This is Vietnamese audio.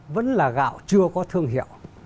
vẫn là gạo chưa có thương hiệu